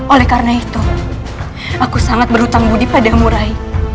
oleh karena itu aku sangat berhutang budi padamu rai